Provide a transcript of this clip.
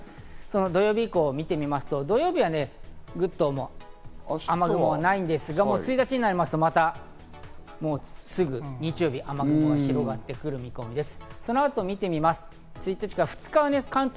土曜日以降をみますと、土曜日は雨雲はないんですが、１日になりますと、すぐ日曜日、雨雲が広がってくる見込みです。